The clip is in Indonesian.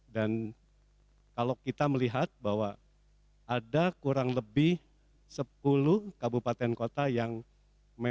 dan kalau kita melihat bahwa ada kurang lebih sepuluh kabupaten kota yang berpengalaman